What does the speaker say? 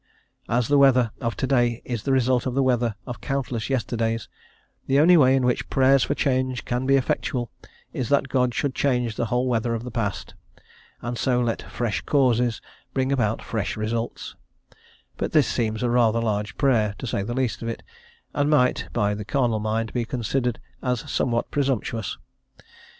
As the weather of to day is the result of the weather of countless yesterdays, the only way in which prayers for change can be effectual is that God should change the whole weather of the past, and so let fresh causes bring about fresh results; but this seems a rather large prayer, to say the least of it, and might, by the carnal mind, be considered as somewhat presumptuous.